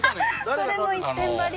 それの一点張り。